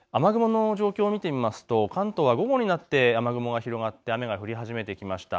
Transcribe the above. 雨雲の状況を見てみると関東は午後になって雨雲が広がって雨が降り始めてきました。